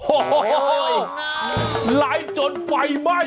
โอ้โหไล่จนไฟไหม้